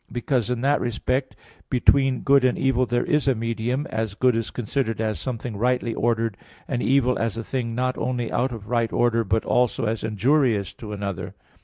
Because in that respect, between good and evil there is a medium, as good is considered as something rightly ordered, and evil as a thing not only out of right order, but also as injurious to another.